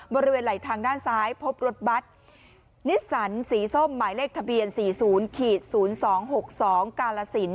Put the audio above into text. บริเวณไหลทางด้านซ้ายพบรถบัตรนิสสันสีส้มหมายเลขทะเบียน๔๐๐๒๖๒กาลสิน